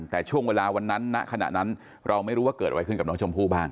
แต่ช่วงเวลาวันนั้นณขณะนั้นเราไม่รู้ว่าเกิดอะไรขึ้นกับน้องชมพู่บ้าง